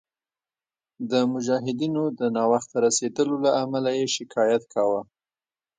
د مجاهدینو د ناوخته رسېدلو له امله یې شکایت کاوه.